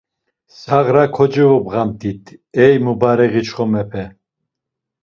Sağra kocevobğamt̆it, ey mubareği çxomepe!